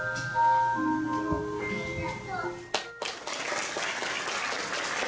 ありがとう。